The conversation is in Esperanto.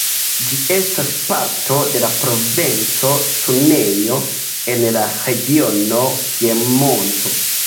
Ĝi estas parto de la provinco Cuneo en la regiono Piemonto.